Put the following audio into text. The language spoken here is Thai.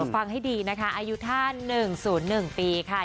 ฟังให้ดีนะคะอายุท่าน๑๐๑ปีค่ะ